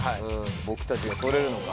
僕たちが捕れるのか。